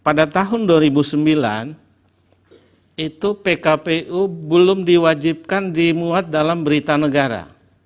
pada tahun dua ribu sembilan itu pkpu belum diwajibkan dimuat dalam berita negara